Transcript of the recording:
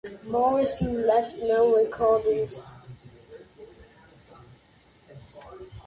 Morrison left no recordings.